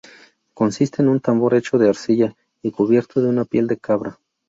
Consiste en un tambor hecho de arcilla y cubierto de una piel de cabra.